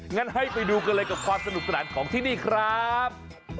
งั้นให้ไปดูกันเลยกับความสนุกสนานของที่นี่ครับ